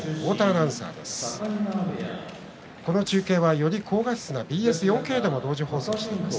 この中継は、より高画質なＢＳ４Ｋでも放送しています。